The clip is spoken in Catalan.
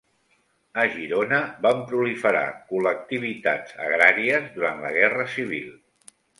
A Girona van proliferar col·lectivitats agràries durant la Guerra Civil.